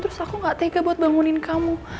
terus aku gak tega buat bangunin kamu